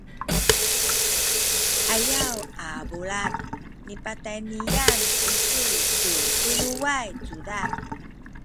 ayaw a bulad nipatayniyan isu tu tuluway cudad